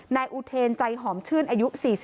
นายอุเทรนใจหอมชื่นอายุ๔๒